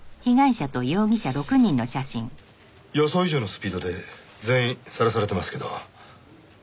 予想以上のスピードで全員晒されてますけど。